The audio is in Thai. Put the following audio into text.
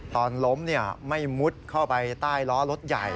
ตอนล้มไม่มุดเข้าไปใต้ล้อรถใหญ่